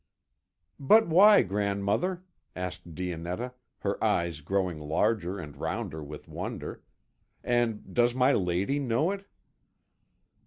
"But why, grandmother?" asked Dionetta, her eyes growing larger and rounder with wonder; "and does my lady know it?"